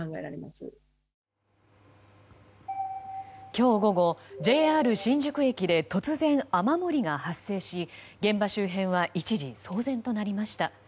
今日午後、ＪＲ新宿駅で突然、雨漏りが発生し現場周辺は一時騒然となりました。